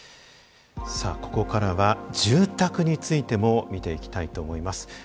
さあここからは住宅についても見ていきたいと思います。